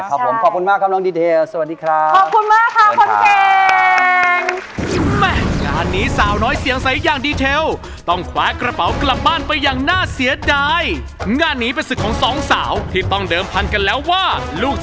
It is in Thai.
ขอบคุณมากครับน้องดิเทลครับสวัสดีครับสวัสดีค่ะคุณเก่งมาก